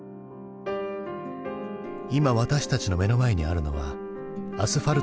今私たちの目の前にあるのはアスファルトに咲く花。